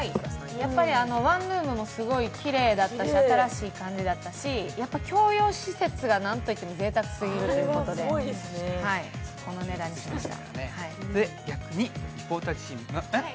やっぱりワンルームもきれいだったし新しい感じだったし共用施設がなんといってもぜいたくすぎるということでこのお値段にしました。